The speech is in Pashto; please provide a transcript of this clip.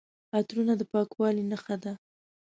عطرونه د پاکوالي نښه ده.